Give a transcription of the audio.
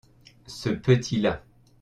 ce petit-là.